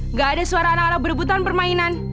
nggak ada suara anak anak berebutan permainan